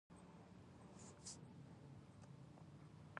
دوی د غوښتونکو تجربه ارزوي.